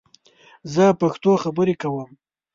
زه پښتو خبرې کوم